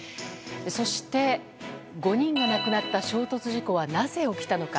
そして５人が亡くなった衝突事故は、なぜ起きたのか。